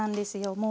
もう。